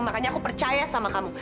makanya aku percaya sama kamu